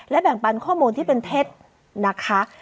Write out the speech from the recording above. แบ่งปันข้อมูลที่เป็นเท็จนะคะ